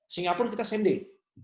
singapura kita same date